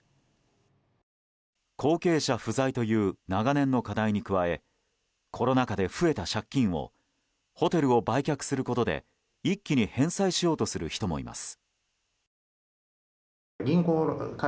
後継者不在という長年の課題に加えコロナ禍で増えた借金をホテルを売却することで一気に返済しようとする人もいます。